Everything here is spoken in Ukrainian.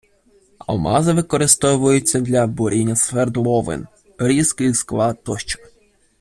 Алмази використовуються для буріння свердловин, різки скла тощо